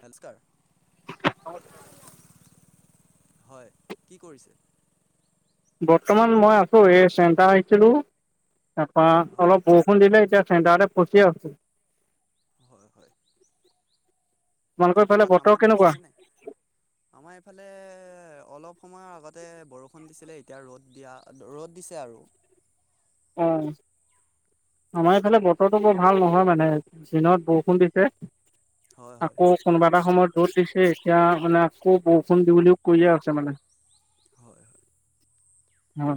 হলস্কাৰ [unintelligible] অ হয়। কি কৰিছে? বৰ্তমান মই আছো এই চেণ্টাৰ আহিছিলো, তাৰপৰা হয় অলপ বৰষুণ দিলে এতিয়া চেন্টাৰতে ফচি আছো। হয় হয় বাকী তোমালোকৰ ফালে কিবা বতৰ কামত কেনেকুৱা গৈছিলে নে? আমাৰ এইফালে অলপ সময়ৰ আগতে বৰষুণ দিছিলে এতিয়া ৰ'দ দিয়া ৰ'দ দিছে আৰু অহ। আমাৰ এইফালে বতৰটো বৰ ভাল নহয় মানে, দিনত বৰষুণ দিছে হয় হয় আকৌ কোনোবা এটা সময়ত ৰ'দ দিছে, এতিয়া মানে আকৌ বৰষুণ দি বুলি কৈ আছে মানে। হয় অ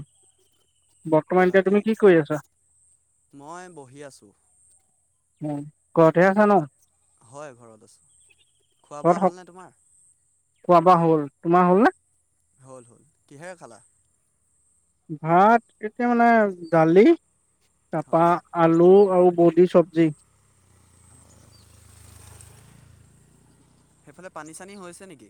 হয় বৰ্তমান যে বাকী তুমি কি কৰি আছা মই বহি আছোঁ। উম। ঘৰতে আছা ন? ভা- হয় ঘৰত আছোঁ। খোৱা ঘৰত বোৱা স হ'লনে তোমাৰ খোৱা বোৱা হ'ল। তোমাৰ হ'ল নে? হ'ল। কিহেৰে খালা? ভাত, এতিয়া মানে দালি তাৰপা হয় আলু আৰু বদি চব্জি সেইফালে পানী চানী হৈছে নেকি?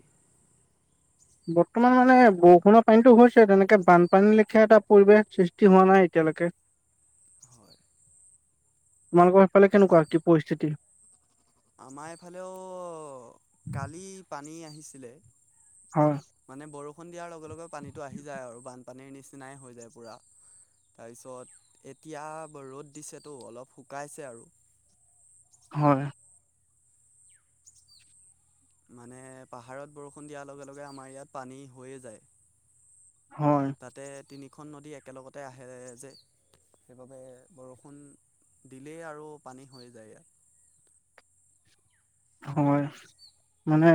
বৰ্তমান মানে বৰষুণৰ পানীতটো হৈছে, তেনেকে বানপানী লৈকে এটা পৰিৱেশ সৃষ্টি হোৱা নাই এতিয়া এতিয়ালৈকে উ [inaudible] তোমালোকৰ সেইফালে কেনেকুৱা কি পৰিস্থিতি? আমাৰ এইফালেও কালি পানী আহিছিলে। হয়, মানে বৰষুণ দিয়াৰ লগে লগে পানীতো আহি যায় আৰু বান পানীৰ নিচিনাই হৈ যায় পুৰা। তাৰপিছত এতিয়া ৰ'দ দিছেতো অলপ শুকাইছে আৰু। হয়। মানে পাহাৰত বৰষুণ দিয়াৰ লগে লগে আমাৰ ইয়াত পানী হৈয়ে হয়, যায়। তাতে তিনিখন নদী একেলগতে আহে যে। সেইবাবে বৰষুণ দিলেই আৰু পানী হৈ যায় ইয়াত। [inaudible] হয়। মানে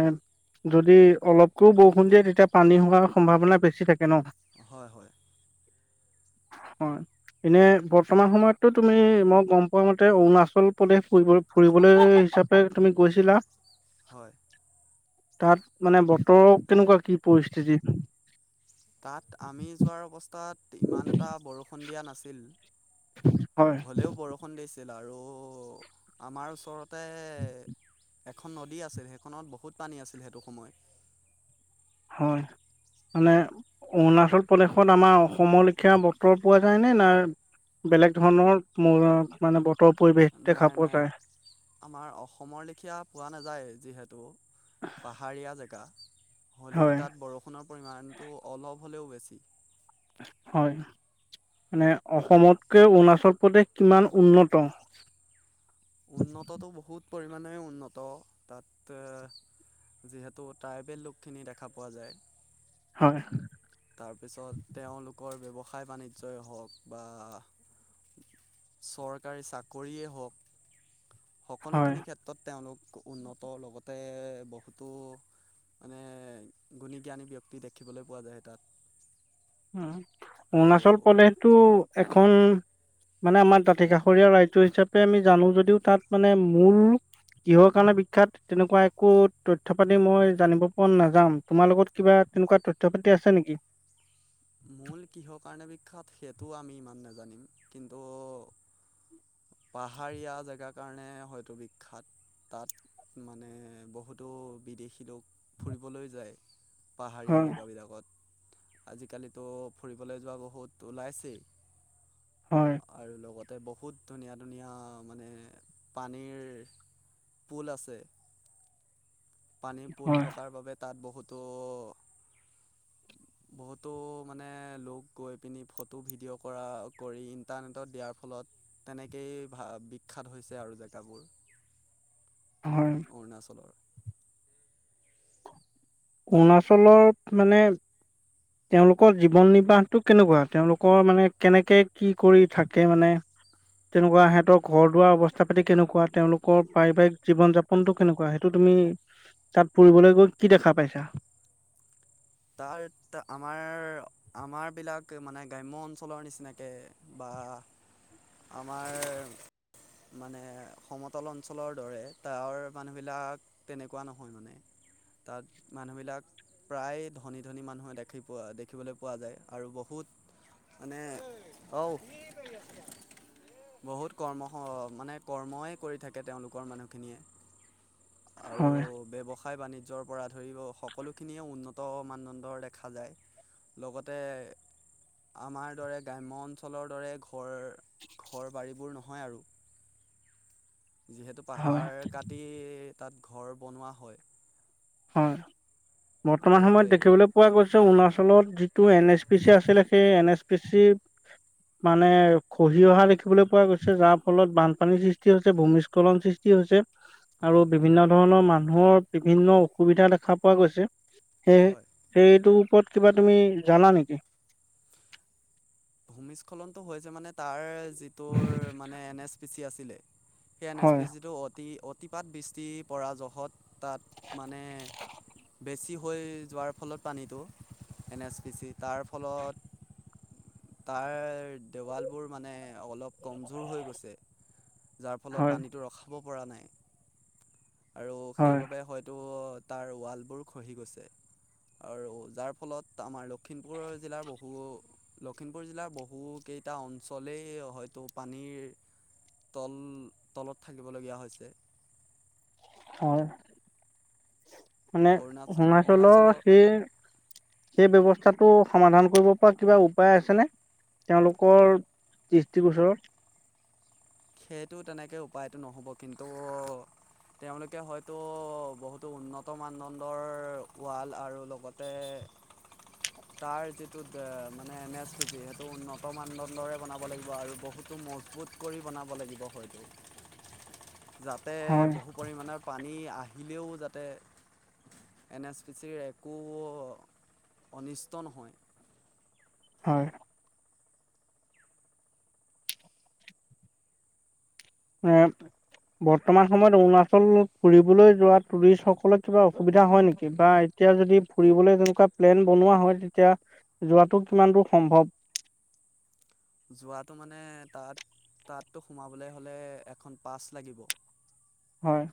যদি অলপকৈও বৰষুণ দিয়ে তেতিয়া পানী হোৱাৰ সম্ভাৱনা বেছি থাকে ন। হয় হয়। হয়। এনে বৰ্তমান সময়তো তুমি মই গম পোৱা মতে অৰুণাচল প্ৰদেশ ফুৰিব ফুৰিবলৈ হিচাপে তুমি গৈছিলা। হয়। তাত মানে বতৰৰ কেনেকুৱা কি পৰিস্থিতি তাত আমি যোৱাৰ অৱস্থাত ইমান এটা বৰষুণ দিয়া নাছিল। হয়, হলেও বৰষুণ দিছিল, আৰু আমাৰ ওচৰতে উম [inaudible] এখন নদী আছে সেইখনত বহুত পানী আছিল সেইটো সময়। হয়। মানে অৰুণাচল প্ৰদেশত আমাৰ অসমৰ লৈকে বতৰ পোৱা যায়নে নাই বেলেগ ধৰণৰ মানে বত নাই নাই আমাৰ অসমৰ লেখীয়া পোৱা নাযায়, যিহেতু পাহাৰীয়া জেগা। হ'লেও হয় তাত বৰষুণৰ পৰিমাণটো অলপ হ'লেও বেছি। হয় মানে অসমতকে অৰুণাচল উপদেশ কিমান উন্নত। উন্নতটো বহুত পৰিমাণে উন্নত। তাত এ যিহেতু ট্ৰাইবেল লোকখিনি দেখা পোৱা যায়। হয় তাৰপিছত তেওঁলোকৰ ব্যৱ সায় বাণিজ্যই হওক বা চৰকাৰী চাকৰিয়েই হওক হয় সকলোখিনি ক্ষেত্ৰত তেওঁলোক উন্নত। লগতে বহুতো মানে গুণী জ্ঞানী ব্যক্তি দেখিবলৈ পোৱা যায় তাত। উম, আৰু অৰুণাচল প্ৰদেশটো এখন মানে আমাৰ দাঁতি কাষৰীয়া ৰাজ্য হিচাপে আমি জানো যদিও তাত মানে মূল কিহৰ কাৰণে বিখ্যাত তেনেকুৱা একো তথ্য পাতি মই জানিব পৰা নাযাম, তোমাৰ লগত কিবা তেনেকুৱা তথ্য পাতি আছে নেকি? মূল কিহৰ কাৰণে বিখ্যাত সেইটো আমি ইমান নাজানিম কিন্তু পাহাৰীয়া জেগা কাৰণে হয়তো বিখ্যাত। তাত মানে বহুতো বিদেশী লোক ফুৰিবলৈ যায়, পাহাৰীয়া হয় জেগাবিলাকত। আজিকালি ত' ফুৰিবলৈ যোৱা বহুত ওলাইছেই, হয় আৰু লগত তাতে বহুত ধুনীয়া ধুনীয়া মানে পানীৰ পুল আছে। পানীৰ পুল হয় থকাৰ বাবে তাত বহুত তো বহুতো মানে লোক গৈ পিনি ফটো ভিডিঅ' কৰা কৰি ইণ্টাৰনেটত দিয়াৰ ফলত তেনেকেই এই ভা বিখ্যাত হৈছে আৰু জেগাবোৰ হয় অৰুণাচলৰ। অৰুণাচলত মানে তেওঁলোকৰ জীৱন নিৰ্বাহটো কেনেকুৱা তেওঁলোকৰ মানে কেনেকে কি কৰি থাকে মানে তেনেকুৱা সিহঁতৰ ঘৰ দুৱাৰ অৱস্থা পাতি কেনেকুৱা তেওঁলোকৰ পাৰিবাৰিক জীৱন যাপনটো কেনেকুৱা সেইটো তুমি তাত ফুৰিবলৈ গৈ কি দেখা পাইছা? তাৰ আমাৰ আমাৰ বিলাক মানে গ্ৰাম্য অঞ্চলৰ নিচিনাকে বা আহ, আমাৰ মানে সমতল অঞ্চলৰ দৰে তাৰ মানুহবিলাক তেনেকুৱা নহয় মানে। তাত মানুহবিলাক প্ৰায় ধনী ধনী মানুহে দেখি পোৱা দেখিবলৈ পোৱা যায় আৰু বহুত মানে অও বহুত কৰ্ম মানে কৰ্মই কৰি থাকে তেওঁলোকৰ মানুহখিনিয়ে। আৰু হয় ব্যৱসায় বাণিজ্যৰ পৰা ধৰি সকলোখিনিয়ে উন্নত মানদণ্ডৰ দেখা যায় লগতে আমাৰ দৰে গ্ৰাম্য অঞ্চলৰ দৰে ঘৰ ঘৰ বাৰীবোৰ নহয় আৰু যিহেতু হয় পাহাৰ কাটি তাত ঘৰ বনোৱা হয়। হয়। বৰ্তমান আৰু সময়ত সেই দেখিবলৈ পোৱা গৈছে অৰুণাচলত যিটো এন এছ পি চি আছিলে সেই এন এছ পি চি মানে খহি অহা দেখিবলৈ পোৱা গৈছে যাৰ ফলত বানপানীৰ সৃষ্টি হৈছে ভূমিস্খলন সৃষ্টি হৈছে আৰু হয় হয় বিভিন্ন ধৰণৰ মানুহৰ বিভিন্ন অসুবিধা দেখা পোৱা গৈছে। সেয় হয় সেইটোৰ ওপৰত কিবা তুমি জানা নেকি? ভূমিস্খলনতটো হৈছে মানে তাৰ যিটোৰ মানে এন এছ পি চি আছিলে সেই এন এছ হয়, পি চিটো অতি অতিপাত বৃষ্টি পৰা জহত তাত মানে বেছি হৈ যোৱাৰ ফলত পানীটো এন এছ পি চি তাৰ ফলত তাৰ দেৱাল বোৰ মানে অলপ কমজোৰ হৈ গৈছে যাৰ ফলত হয়, পানীটো ৰখাব পৰা নাই, আৰু হয়, সেইবাবে হয়োটো তাৰ ৱালবোৰ খহি গৈছে। আৰু যাৰ ফলত আমাৰ লখিমপুৰ জিলাৰ বহু ল লখিমপুৰ জিলাৰ বহু কেইটা অঞ্চলেই হয়তো পানীৰ তল তলত থাকিবলগীয়া হৈছে। হয়। মানে অৰুণা আৰুনাচলৰ অৰুণাচলৰ সেই সেই ব্যৱস্থাত টো সমাধান কৰিব পৰা কিবা উপায় আছেনে? তেওঁলোকৰ দৃষ্টি ওচৰত সেইটো তেনেকে উপায়তটো নহ'ব কিন্তু তেওঁলোকে হয়তো বহুতো উন্নত মানদণ্ডৰ ৱাল আৰু লগতে। [unintelligible] তাৰ যিটো মানে এনে সিতি সেইটো উন্নত মানদণ্ডৰে বনাব লাগিব আৰু বহুত। মজবুত কৰি বনাব লাগিব হৈতো যাতে হয়, বহু পৰিমাণৰ পানী পানী আহিলেও যাতে এন এছ পি চিৰ একো অনিষ্ট নহয়। হয়। উম বৰ্তমান সময়ত অৰুণাচল ফুৰিবলৈ যোৱা টুৰিষ্ট সকলত কিবা অসুবিধা হয় নেকি বা এতিয়া যদি ফুৰিবলৈ তেনেকুৱা প্লেন বনোৱা হয় তেতিয়া যোৱাটো কিমান দূৰ সম্ভৱ? যোৱাটো মানে তাত তাততো সোমাবলৈ হলে এখন পাচ লাগিব। হয়।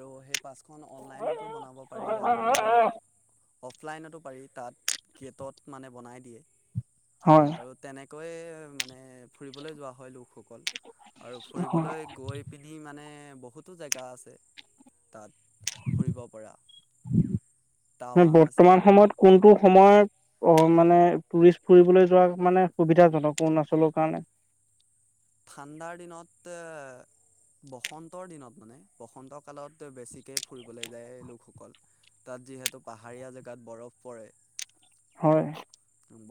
আৰু সেই পাচখন অনলাইনতো বনাব পাৰি আৰু অফলাইনতো পাৰি তাত গেটত মানে বনাই দিয়ে। হয়, আৰু তেনে কৈ মানে ফুৰিবলৈ যোৱা হয় লোকসকল। আৰু হয়। ফুৰিবলৈ গৈ পিনি মানে বহুতো জেগা আছে তাত। ফুৰিব পৰা টাৱাং আছে বৰ্তমান সময়ত কোনটো সময়। অ মানে টুৰিষ্ট ফুৰিবলৈ যোৱা মানে সুবিধাজনক অৰুণাচলৰ কাৰণে। ঠাণ্ডা দিনত। বসন্তৰ দিনত মানে বসন্ত কালত বেছিকে ফুৰিবলৈ যায় লোকসকল। তাত যিহেতু পাহাৰীয়া জেগাত বৰফ পৰে। হয়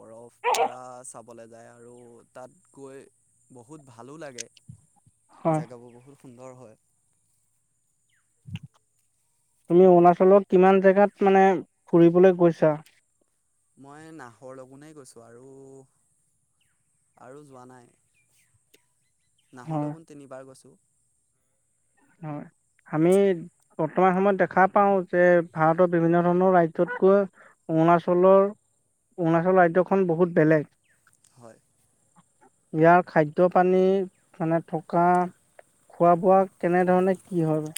বৰফ পৰা চাব ফুৰিবলে যায় আৰু তাত গৈ বহুত ভালো লাগে হয় জেগাবোৰ বহুত সুন্দৰ হয়। তুমি অৰুণাচলৰ কিমান জেগাত মানে ফুৰিবলৈ গৈছা? মই নাহৰ লগোনেই গৈছোঁ আৰু আৰু যোৱা নাই, হয় নাহৰলগুন তিনিবাৰ গৈছো। হয়। আমি বৰ্তমান সময়ত দেখা পাওঁ যে ভাৰতৰ বিভিন্ন ধৰণৰ ৰাজ্যতকৈ অৰুণাচলৰ, অৰুণাচল ৰাজ্যখন বহুত বেলেগ। হয়। ইয়াৰ খাদ্য - পানী মানে থকা খোৱা - বোৱা কেনে ধৰণে কি হয় বা?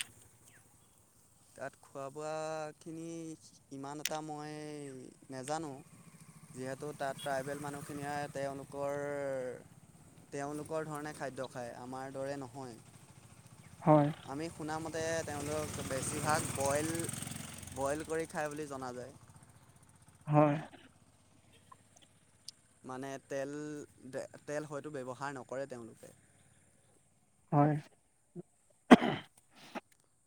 তাত খোৱা - বোৱাখিনি ইমান এটা মই নেজানো যিহেতু তাত ট্ৰাইবেল মানুহখিনিয়ে তেওঁলোকৰ তেওঁলোকৰ ধৰণে খাদ্য খায়, আমাৰ দৰে নহয়। হয় আমি শুনা মতে তেওঁলোকক বেছিভাগ বইল, বইল কৰি খায় বুলি জনা যায়। হয়। মানে তেল, তে তেল হয়তো ব্যৱহাৰ নকৰে তেওঁলোকে। হয়, উ অহ।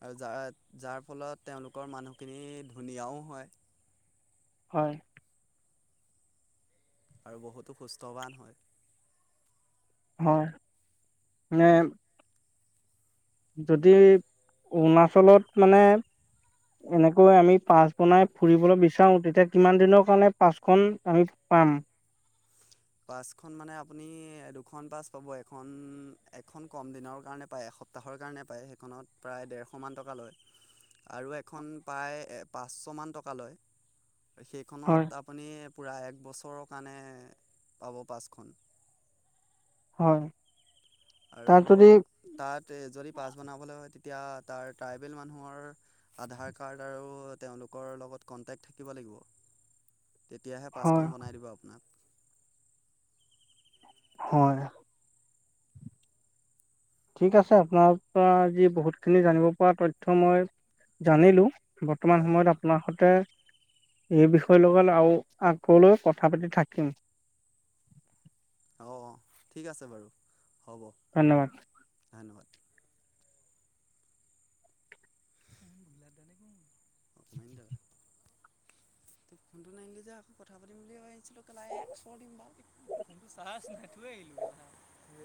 আৰু যাৰ যাৰ ফলত তেওঁলোকৰ মানুহখিনি ধুনীয়াও হয়। হয়। আৰু বহুতো সুস্থৱান হয়। হয় [unintelligible] যদি অৰুণাচলত মানে এনেকৈ আমি পাছ বনাই ফুৰিবলৈ বিচাৰো তেতিয়া কিমান দিনৰ কাৰণে পাচখন আমি পাম? [inaudible] পাচখন মানে আপুনি দুখন পাচ পাব এখন এখন কম দিনৰ কাৰণে পায় এ সপ্তাহৰ কাৰণে পায় সেইখনত প্ৰায় ডেৰশমান টকা লয়। আৰু এখন প্ৰায় পাচশমান টকা লয়। সেইখনত হয়। আপুনি পুৰা এক বছৰৰ কাৰণে পাব পাচখন। হয়। আৰু তাত যদি তাত যদি পাচ বনাবলৈ হয়। তিয়া তাৰ ট্টাইবেল মানুহৰ আধাৰ কাৰ্ড আৰু তেওঁলোকৰ লগত কনটেক্ট থাকিব লাগিব। তেতিয়াহে হয় পাঁচখন বনাই দিব আপোনাক। হয়। ঠিক আছে আপোনাৰ পৰা আজি বহুতখিনি জানিব পৰা তথ্য মই জানিলো। বৰ্তমান হয় সময়ত আপোনাৰ সৈতে এই বিষয়ে লগত আও আগলৈ কথা পাতি থাকিম। অ অ ঠিক আছে বাৰু হ'ব। ধন্যবাদ। নহয়। [unintelligible] ফোনটো নাহিলে যে আকৌ কথা পাতিম বুলি ভাবিছিলো কেলা এক শৰ দিম বাল ফোনটো চাৰ্জ নাই থৈ আহিল [unintelligible]